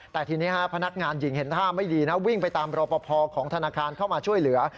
แต่ทีนี้พนักงานหญิงเห็นท่าไม่ดีนะวิ่งไปตามรอปภของธนาคารเข้ามาช่วยเหลือ